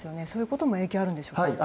そういうことも影響があるんでしょうか。